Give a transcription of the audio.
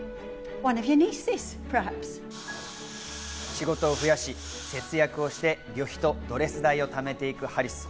仕事を増やし、節約をして旅費とドレス代を貯めていくハリス。